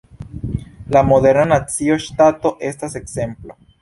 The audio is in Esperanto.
La moderna Nacio-ŝtato estas ekzemplo.